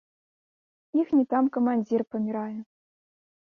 Іхні там камандзір памірае.